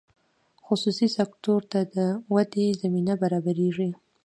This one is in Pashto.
خصوصي سکتور ته د ودې زمینه برابریږي.